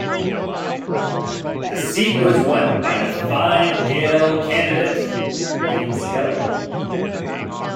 The seat was won by the Fine Gael candidate Liam Skelly.